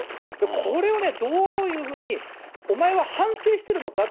これをどういうふうに、お前は反省してるのか？